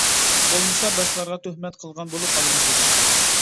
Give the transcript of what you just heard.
بولمىسا باشقىلارغا تۆھمەت قىلغان بولۇپ قالىمىز، -دېدى.